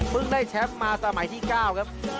ได้แชมป์มาสมัยที่๙ครับ